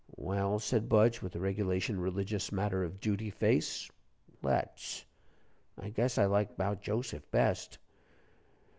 "Well," said Budge, with the regulation religious matter of duty face, "let's. I guess I like 'bout Joseph best."